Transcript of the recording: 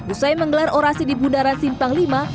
usai menggelar orasi di bundaran simpang v